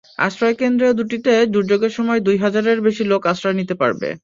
আশ্রয়কেন্দ্রে দুটিতে দুর্যোগের সময় দুই হাজারের বেশি লোক আশ্রয় নিতে পারবে।